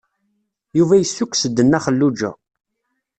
Yuba yessukkes-d Nna Xelluǧa.